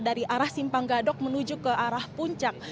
dari arah simpang gadok menuju ke arah puncak